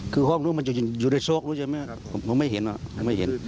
คือห้องนู้นมันจะอยู่ในโซกรู้ใช่ไหมผมไม่เห็นยังไม่เห็น